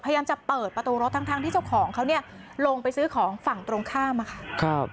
พยายามจะเปิดประตูรถทั้งที่เจ้าของเขาเนี่ยลงไปซื้อของฝั่งตรงข้ามอะค่ะ